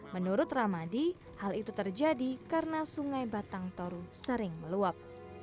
menurut ramadi hal itu terjadi karena sungai batang toru sering meluap